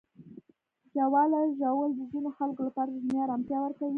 ژاوله ژوول د ځینو خلکو لپاره ذهني آرامتیا ورکوي.